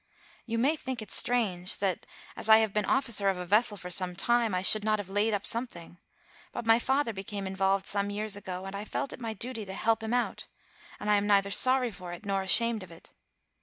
You may think it strange, that, as I have been officer of a vessel for some time, I should not have laid up something; but my father became involved some years ago, and I felt it my duty to help him out; and I am neither sorry for it nor ashamed of it.